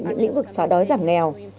những lĩnh vực xóa đói giảm nghèo